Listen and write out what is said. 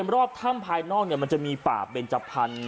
รอบถ้ำภายนอกมันจะมีป่าเบนจพันธุ